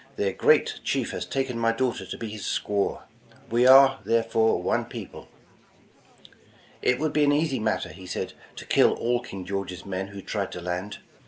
Their great chief has taken my daughter to be his squaw; we are, there fore, one people." It would be an easy matter, he said, to kill all King George's men who tried to land.